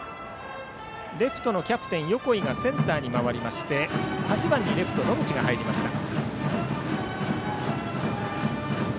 レフトのキャプテン、横井がセンターに回りまして８番にレフト、野口が入りました。